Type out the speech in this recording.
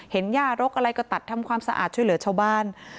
ย่ารกอะไรก็ตัดทำความสะอาดช่วยเหลือชาวบ้าน